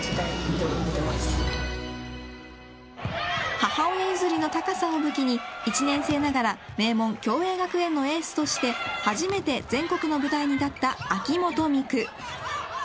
母親譲りの高さを武器に１年生ながら名門共栄学園のエースとして初めて全国の舞台に立った秋本美空。